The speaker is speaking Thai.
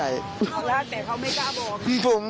แล้วแต่เขาไม่กล้าบอก